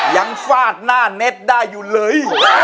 ฟาดหน้าเน็ตได้อยู่เลย